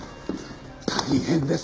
大変です！